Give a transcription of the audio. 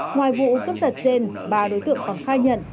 ngoài vụ cướp giật trên ba đối tượng còn khai nhận